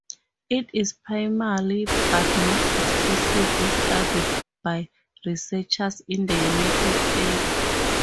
It is primarily, but not exclusively, studied by researchers in the United States.